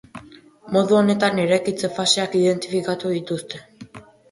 Modu honetan, eraikitze faseak identifikatu dituzte.